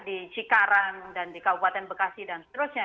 di cikarang dan di kabupaten bekasi dan seterusnya